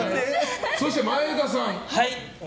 そして、前田さん。